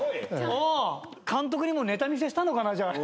監督にもネタ見せしたのかな？